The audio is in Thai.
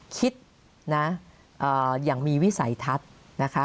คิดนะอย่างมีวิสัยทัศน์นะคะ